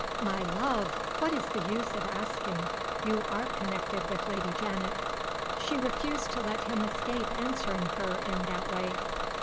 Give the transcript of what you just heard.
"My love! what is the use of asking? You are connected with Lady Janet." She refused to let him escape answering her in that way.